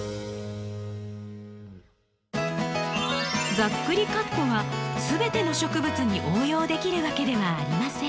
ざっくりカットは全ての植物に応用できるわけではありません。